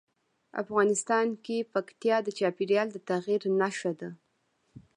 افغانستان کې پکتیا د چاپېریال د تغیر نښه ده.